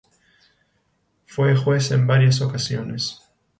Fue juez en varias ocasiones.